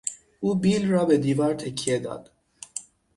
او بیل را به دیوار تکیه داد.